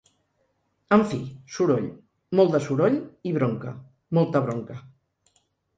En fi, soroll, molt de soroll i bronca, molta bronca.